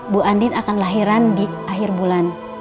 bu andin akan lahiran di akhir bulan